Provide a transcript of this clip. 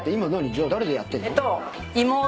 じゃあ誰とやってんの？